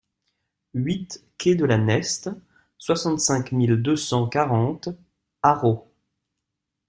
huit quai de la Neste, soixante-cinq mille deux cent quarante Arreau